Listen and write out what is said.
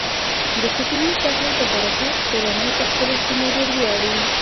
د ښځینه زده کړې په برکت، کورنۍ په خپلو سیمو ډیر ویاړي.